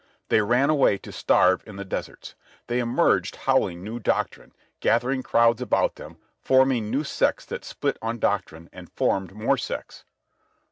They ran away to starve in the deserts. They emerged howling new doctrine, gathering crowds about them, forming new sects that split on doctrine and formed more sects.